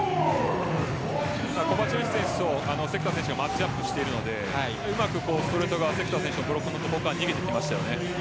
コバチェビッチ選手と今日、関田選手がマッチアップしているのでうまくストレートが関田選手のブロックの所に逃げてきましたよね。